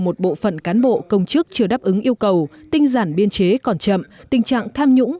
một bộ phận cán bộ công chức chưa đáp ứng yêu cầu tinh giản biên chế còn chậm tình trạng tham nhũng